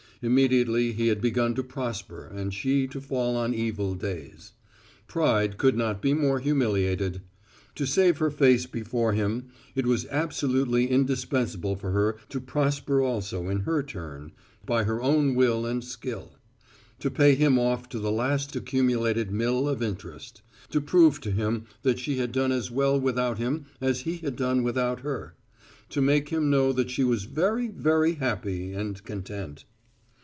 Immediately he had begun to prosper and she to fall on evil days. Pride could not be more humiliated. To save her face before him, it was absolutely indispensable for her to prosper also in her turn, by her own will and skill; to pay him off to the last accumulated mill of interest; to prove to him that she had done as well without him as he had done without her; to make him know that she was very, very happy and content.